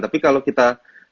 tapi kalau kita